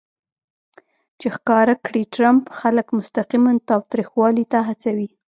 چې ښکاره کړي ټرمپ خلک مستقیماً تاوتریخوالي ته هڅوي